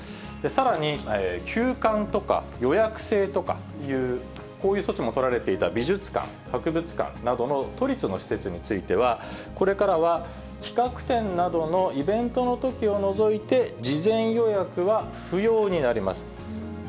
さらに、休館とか予約制とかいう、こういう措置も取られていた美術館、博物館などの都立の施設については、これからは企画展などのイベントのときを除いて、事前予約は不要になります。